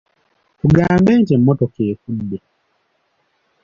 Tugamba nti: Emmotoka efudde.